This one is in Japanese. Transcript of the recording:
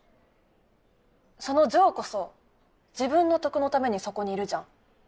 その嬢こそ自分の得のためにそこにいるじゃん。